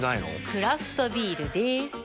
クラフトビールでーす。